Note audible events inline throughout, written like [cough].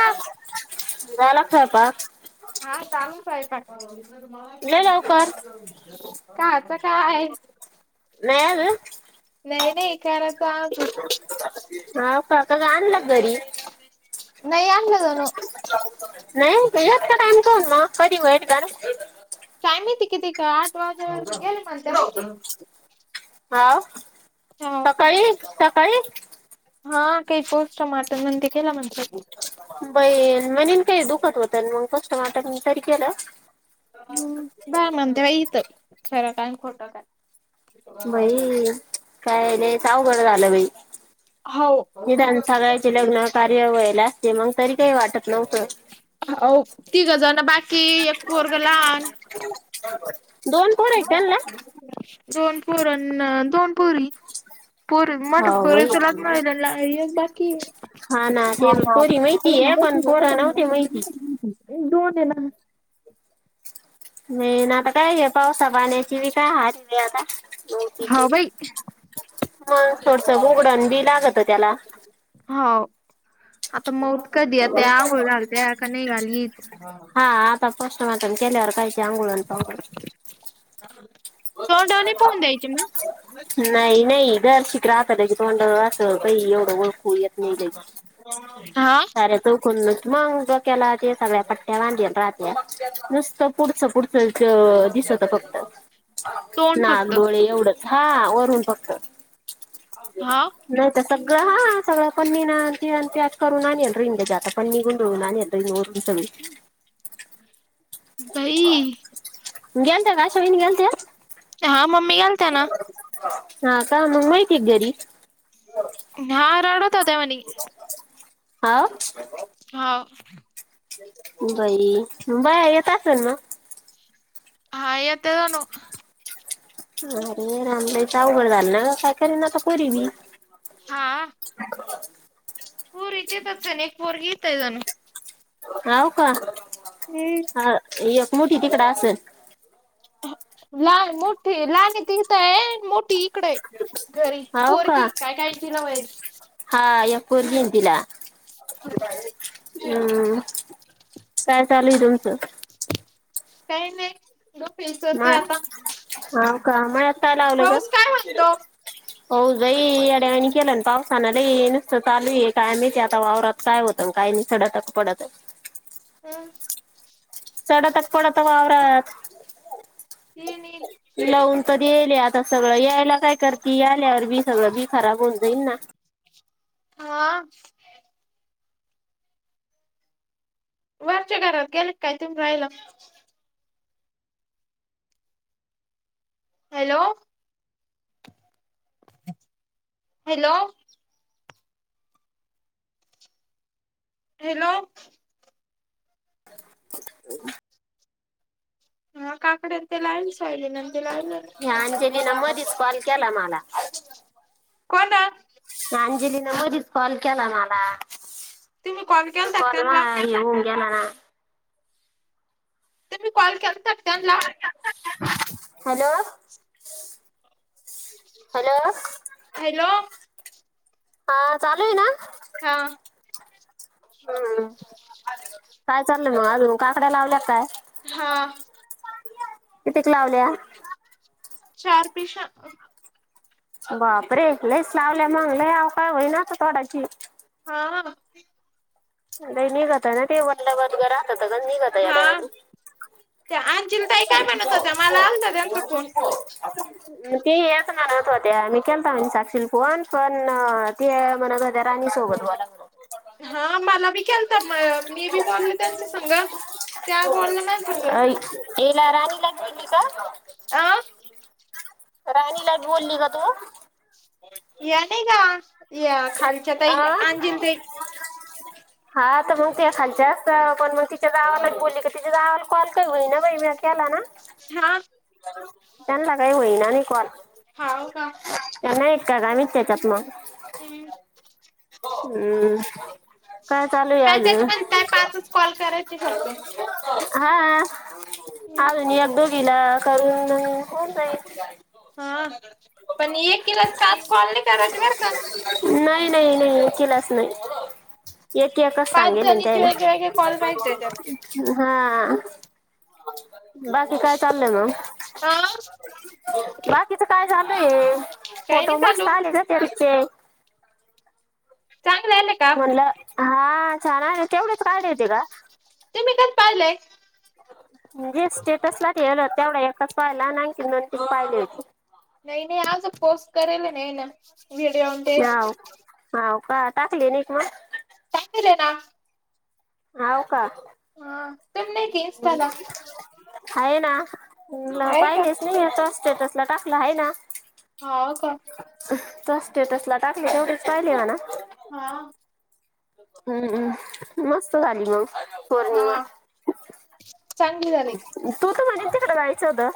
हा. झाला का स्वयंपाक. हा चालूच आहे का. लय लवकर काच काय आहे. नाही आलं नाही नाही करायच अजून. हा काका का आणलं घरी. नाही आणलं जाणू. नाही यात का टाईम करन मग कधी वईर गर. काय माहिती येते किती का आठ वाजेवर गेले म्हण. हा हो सकाळी सकाळी. हा काही पोस्ट मात मण ते केलं म्हण. ब म्हणेल काय दुखात होत मग कष्ट मता तरी केलं. हम् बा म्हण तेव्हा इथं खरं काय खोटं काय. भाई काय लयच अवघड झालं भाई. हो निदान सगळ्याचे लग्न कार्य व्हायला असते मग तरी काही वाटत. नव्हतं हो तीघजण बाकी एक पोरग लहान. हो बरोर. [unintelligible] दोन पोरांना दोन पोरी. पोरं मोठ हो बाई पुरेसलाच नाही बाकी. ना हा ते पोरी माहिती आहे पण पोरं नव्हते माहिती दो दे ना. [unintelligible] नाही ना आता काय आहे पावसा पाण्याची बी काय हारी म आता. हाव बाई मग थोडस बगडण बी लागत त्याला. हो आता मऊत कधी आ त्या आंघोळ घालत्या का नाही घालीत. पोस्टमारम केल्यावर काही अंगळण पांघोळ तोंडाने पाहून द्यायची म. नाही नाही घर शिक राहत क तंड राहत एवढंळखू यत नाही का. हा. चून म केला सगळ्या पट्ट्या बांध नुसत पुढ पुढ. लच दिसत फक्त तोंड नाग फक्त डोळे एवढ. हा वरून फक्त. हा. नाही तर सगळं हा सगळं पण म ना. करण इ जात पणनीघून होणाराने इ नोवरून. [unintelligible] भाई. गेलत्या का आशा वाहिनी गेलत्या हा मम्मी गेलत्या ना हा का मग माहिती आहे घरी. हा रडत होत्या म्हणी हा. हो. बाई बा येत असेल ना. हा येते णू. अरे राम लायच अउघड झालं ना काय कररी ना आता पोरी नी हा. हूर इतयेतातच सन एकपवर् ग इेतयान. [unintelligible] होव का हम्म ह एक मोठी तिकड असेल. ला मोठी लाणी तिघथय मोठी. तकडे घरी हाव पोरकी का काय काय तलावाई. हा यापर घेन तला. [inaudible] हम्म, काय चालू आहे तुमचं? काही नाही. डोके उचलते आता हो का मळ्यात काय लावलं ग. पाऊस काय म्हणतो हो लई येड्यावाणी केला ना पावसानी नुसतं चालू आहे काय माहिती आता वावरात. काय होत आणि काय नाही सडतच पडतं [unintelligible] सडतच पडतं वावरात. [unintelligible] लावून तर देयेल आता सगळं यायला काय करती आल्यावर भी सगळं बी खराब होऊन जाईन ना. हा वरच्या घरात गेलेत काय तुम्ही राहिला? हॅलो. हॅलो. हेलो [unintelligible] अ काकडे न ते लायेल नी सोयाबीन लाये ह्या अंजलीन मधील कॉल केला माला. कोण. अंजलीन मधीच कॉल केला माला तुम्ही कॉल तो केलता का कॉल त्यांना माहा हे होऊन गेला ना तुम्ही कॉल केलतात का त्यांला हलो हलो. हॅलो. हा चालू हे ना? हा. हम्म, काय चाललंय मग अजून, काकड्या लावल्यात काय? हा. [unintelligible] कितीक लावल्या? चार पिश्या अ. बापरे, लईच लावल्या मंग लई आयकोया होईन आता तोडायची. हा वन लई निघता ना ते वल्ल वदगं राहत त गन निघत हा येड्यावानी. त्या अंजिल ताई काय म्हणत होत्या? माला आलता त्यांचा फोन. ती येत म्हणत होत्या मी केलता म्हण साक्षील फोन, पण ते म्हणत होत देराणी सोबत बोला. म्हणत हा मात तुला बी केलता म मी बी बोलले त्यांच्या संग, त्या बोलल्या माझ्या संग. अ हिला राणीला कयतीसा. अ. राणीला बोलली का तु? या नाही का या खालच्या ताई आ अंजिल ताई. हा तर मग ते खालच्या असत पण मग तिच्या जावा काही बोलली का तिच्या जावाला कॉल काही होई ना बाई म्या केला ना. ह. त्यांनला काय होई ना नही कॉल. हा ओ का? त्या नाहीत का ग आम्ही त्याच्यात मग. [unintelligible] हम्म काय चालूय काय अजून? त्याचे पण काय पाचच कॉल करायचे फक्त हा हम्म आजून एक दोघीला करून होन जाईन हा पण एकिला सात कॉल नाही कराचचे बर का. नाही नाही नाही एकिलाच नाही. एक एकच पाच सांगेल हे न जणीचे त्यायना वेगळे वेगळे कॉल पाहिजे त्याच्यात हुं हा. बाकी काय चाललंय मंग? हा बाकीच काय काही फोटो नाही चालू मस्त आले ग त्यांचे चांगलं आले म्हणलं हा छान ना तेवढेच काडे येते का? ते मी कात पाहिलेय [unintelligible] णजे स्टेटस ला ठेवले होते तेवढा एकच पाहिला आणी आणखन दोन तीन पाहिले होते नाही नाही आज पोस्ट करेल नाही ना व्हिडिओमध्ये हो का टाकली नयी का मग? टाकलीये ना. हाव का? हा तुम्ही नायी का इनस्टाला? आहे ना का पाहिलेच नाही तो स्टेटस ला टाकला आहे ना.. हाव कोण? त स्टेटसला टाकले तेवढेच पाहिले म्हणा हा हम्मम् मस्त झाली मग पौर्णिमा. हा चांगली झाली तू तर म्हणजे [unintelligible] तिकडे जायचं होतं.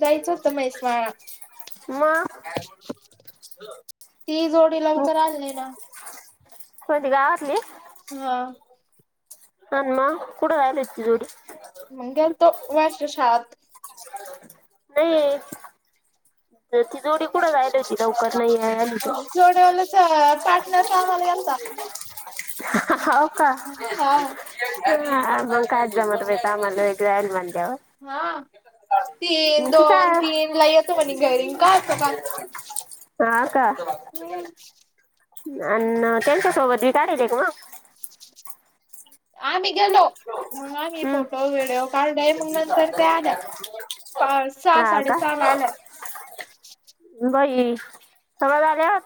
जायचं होतं मैस्माळा मग ती जोडी लवकर आली नाही ना. कोणती गावातली? हा. अन्मा कुट जायली इतकी जोडी? गेलतो राष्ट्र शाळात नाहीये तर ति जोडी कुठं जाय जोड्यावलाच पार्टनर कामाला गेलता हाव का? हा मग कायच जमत बाई कामाला जायती म्हणल्यावर. हा तीन मग ती दोन काय तीन ला येतो म्हणे घरींग काय असतो काम. हा का? हम्. अ् त्यांच्या सोबत [unintelligible] का मग आम्ही गेलो मग आम्ही हम्म फोटो व्हिडिओ काढले मग नंतर ते आल्या. पा सहा हा साडे का सहा ला आल्या. बाई तवा [unintelligible] झाल्या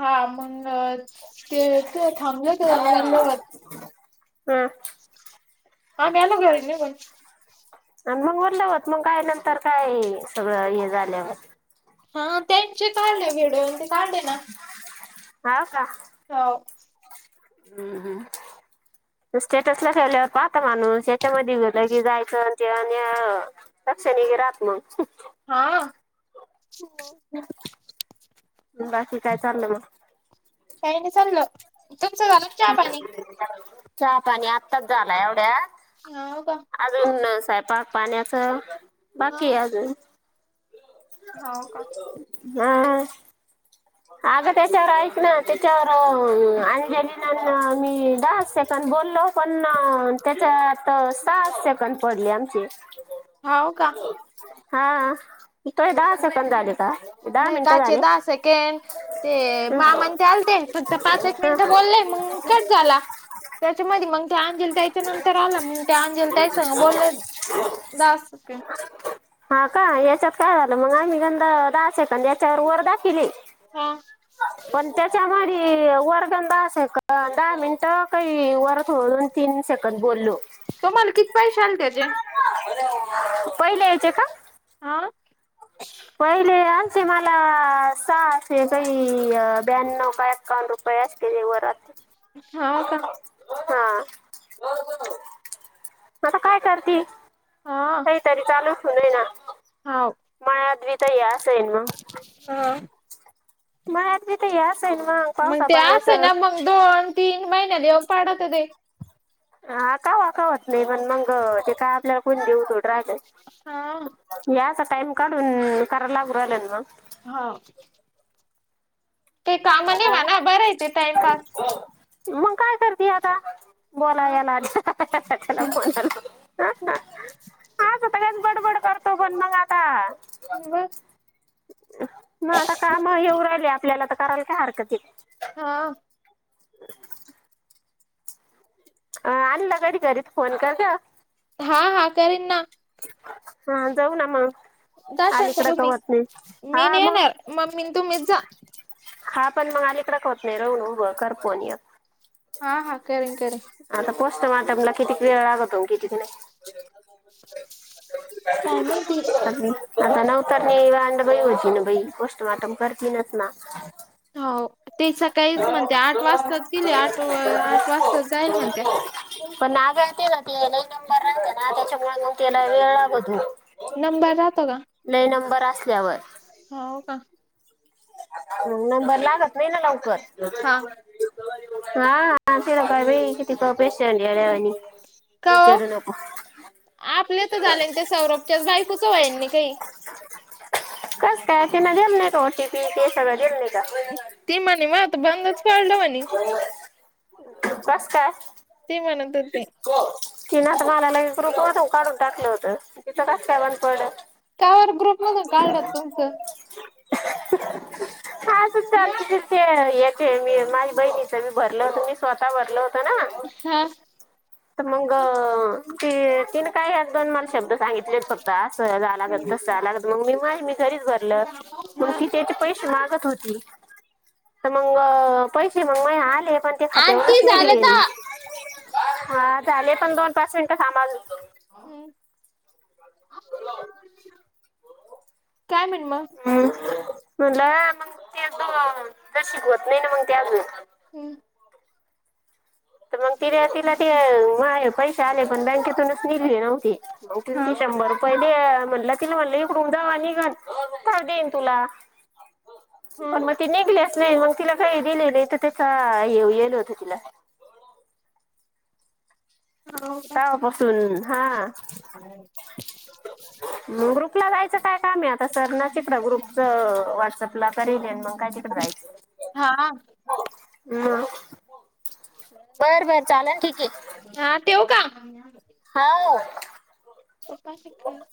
हा मग ते ते थांबले [unintelligible] नवलवर हम् [inaudible] आम्ही आलो की [unintelligible] आणि मग ओरल्या होत मग काय नंतर काय सगळं हे झाल्यावर हा त्यांचे काढले व्हिडिओ आणि ते काढले ना हाव का? हौ. हम्म हम् स्टेटस ला ठेवल्यावर पाहता माणूस याच्यामध्ये गेलं की जायच ते आणि अ लक्षात लगी राहत नाय. हा. बाकी काय चाललं मग काय नाही चाललं तुमचं झालं चहा पाणी चहा पाणी आत्ताच झाला एवढ्या हा का अजून सायपाक पाण्याच बाकी आहे अजून हो का हा अगं त्याच्यावर ऐक ना त्याच्यावर अंजली मी दहा सेकड बोललो पण त्याच्या आता सात सेकंड पडले आमची हो का हा तोय दहा अस पंदले नाही काचे दहा सेकेंड ते हं, मामाण ते आलते फक्त पाच एक हं. मिनिटं बोललेय मग झाला त्याच्यामध्ये मग ते अंजल त्या त्याच्या नंतर आलं मग त्या अंजल त्या सग बोलले दके हा का याच्यात काय झालं मग आम्ही गंद दहा सेकंद याच्यावर वर दा केली हा पण त्याच्यामध्ये वरगंदा अस आहे का दहा मिनटं काही वरदून तीन सेकंद बोललो तुम्हाला किती पैसे आले त्याचे पहिले यायचे का हा पहिले असे मला सहा असे काही ब्याण्णव का एकावन्न रुपये प्रयास केले वात हा का हा आता काय करते होऐ त र चालूचणय ना होा मयद्वीता या स आहेन म मद्वीता या सईन म मग ते असं ना मग दोन तीन महिन्या देऊन पाडत ते हा कावाकावत नाही पण मग ते काय आपल्याला कोण देऊत हा हो याचा टाइम काढून कराला लागूहिले ना मग हो ते काम नेवा ना बरं येत टाइमपास मग काय कर द बोला हा या लालाोन [unintelligible] सगच गडबड करतो फण मग आता ह ब ना आता काम येऊ राहिल आपल्याला तर करायला काय हरकती हा अ आणला घडी घरीत फोन कर ग हा हा करेन ना हा जाऊ ना मग जाशंत अलीकडं तुम्ही कवत नाही मी हा मग नेणार मममी तुम्हीच जा हा पण मग अलीकडक होत नाही रहून उ करपोन या हा हा कर कर आता पोस्टमार्टमला किती वेळ लागतो किती नाही? [inaudible] [inaudible] आता नवतर नाही अांड बाई होती ना बाई पोस्टमॉर्टम करतील नच ना हो ते सकाळीच म्हणते आठ वाजताच गेले आठ आठ वाजता जाईल म्हणत. पण नागहते ना ती याला नंबर राहते ना त्याच्यामुळे मग त्याला वेळ लागतो. नंबर राहतो का. नाहीय नंबर असल्यावर. हो का. नंबर लागत नाही ना लवकर. हा [unintelligible] का हो विचारू नको आपले तर झाले आणि त्या सौरभच्या बायकूचच होईन नाही काही. कसं काय? त्यानं दिली नाही का ओ टी पी ते सगळं दिलं नाही का? ती म्हणे मग आता बंदच पडलं म्हणे. कसं काय? ती म्हणत होती. [unintelligible] काढून टाकलं होतं तिचं कसं काय बंद पडेल? कावर ग्रुप मधून काढलात तुमचं? [unintelligible] ते एक हे [unintelligible] बहिणीचं बी भरलं होतं मी स्वतः भरलं होतं ना. हां. तर मग ती तिनं काय एक दोन मला शब्द सांगितलेत फक्त असं झाला गं तसं [unintelligible] मग मी माझं मी घरीच भरलं मग ती त्याचे पैसे हा मागत होती. तर मग पैसे मग माझे आले पण ते आंटी खात्यावरच झालं निघले नाही. तर हां झाले पण दोन पाच मिनिटं [unintelligible] हम्म. [inaudible] [unintelligible] हम्म म्हटलं मग [unintelligible] शिकवत नाही ना ते अजून. हम्म. तर मग तिला ते पैसे आले पण बँकेतूनच निघले नव्हते. होतील हा ते शंभर पहिले म्हणलं तिला म्हणलं जवा निघल. [unintelligible] तर देईन तुला पण हम मग ते निघालेच नाही मग तिला काय दिले नाही तर त्याचा [unintelligible] तिला. तवापासून हां. मग ग्रुपला जायचं काय काम आहे आता सरना तिकडं ग्रुपच व्हॉट्सअपला [unintelligible] मग काय तिकडं जायचं. हां. बर बर चालेल ठीक आहे. हां ठेऊ का? हो. पप्पा आले का काय?